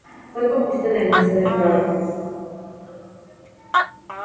Fue copista en el Museo del Prado.